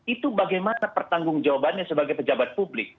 itu bagaimana pertanggung jawabannya sebagai pejabat publik